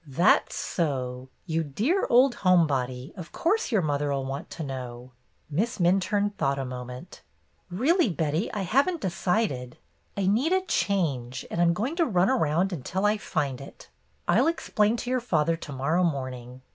"That 's so! You dear old home body, of course your mother fll want to know." Miss Minturne thought a moment. " Really, Betty, I have n't decided. I need a change, and I'm going to run around until I find it. I 'll ex plain to your father to morrow morning."